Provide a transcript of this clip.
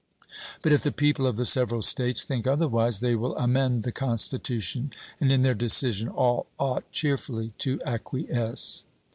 But if the people of the several States think otherwise they will amend the Constitution, and in their decision all ought cheerfully to acquiesce.